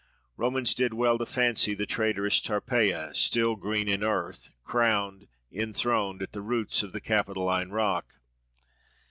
Romans did well to fancy the traitress Tarpeia still "green in earth," crowned, enthroned, at the roots of the Capitoline rock.